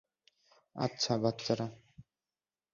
আচ্ছা, বাচ্চারা।